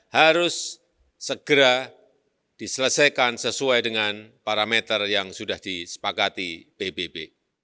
harus segera diselesaikan sesuai dengan parameter yang sudah disepakati pbb